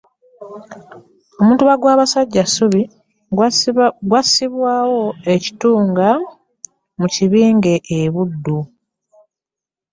Omutuba gwa Basajjassubi gwassibwawo e Kitunga mu Kibinge e Buddu.